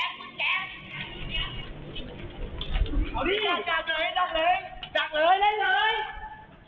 เอาดี้จับเลยเพื่อนเดาเลย